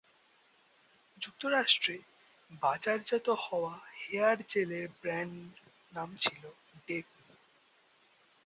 যুক্তরাষ্ট্রে বাজারজাত হওয়া হেয়ার জেলের ব্র্যান্ড নাম ছিল ‘ডেপ’।